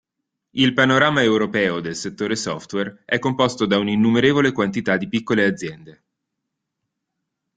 Il panorama europeo del settore software è composto da un'innumerevole quantità di piccole aziende.